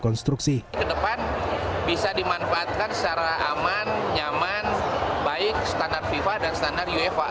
kedepan bisa dimanfaatkan secara aman nyaman baik standar fifa dan standar uefa